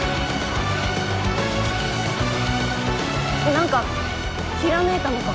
何かひらめいたのか？